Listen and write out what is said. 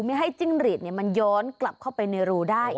ไม่ให้จิ้งหรีดมันย้อนกลับเข้าไปในรูได้